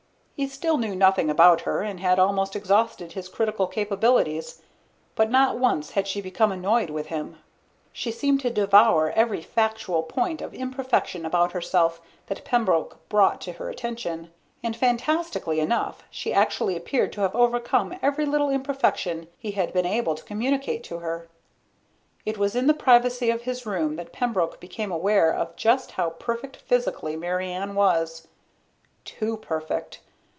He still knew nothing about her and had almost exhausted his critical capabilities, but not once had she become annoyed with him. She seemed to devour every factual point of imperfection about herself that Pembroke brought to her attention. And, fantastically enough, she actually appeared to have overcome every little imperfection he had been able to communicate to her. It was in the privacy of his room that Pembroke became aware of just how perfect, physically, Mary Ann was. Too perfect.